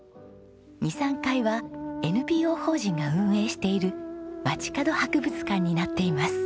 ２３階はＮＰＯ法人が運営しているまちかど博物館になっています。